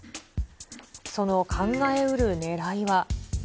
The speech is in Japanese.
その考えうるねらいは。